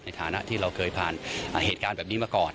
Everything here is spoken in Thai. ในฐานะที่เราเคยผ่านเหตุการณ์แบบนี้มาก่อน